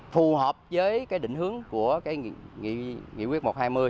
phù hợp với cái định hướng của nghị quyết một trăm hai mươi